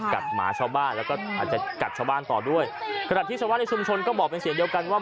หมาชาวบ้านแล้วก็อาจจะกัดชาวบ้านต่อด้วยขณะที่ชาวบ้านในชุมชนก็บอกเป็นเสียงเดียวกันว่า